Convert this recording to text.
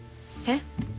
えっ？